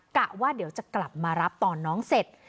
กะว่าเดี๋ยวจะกลับมารับตอนน้องเสร็จ